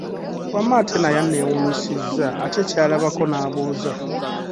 Wamma ate naye aneewunyisiza ate ky'alabako n'abuuza.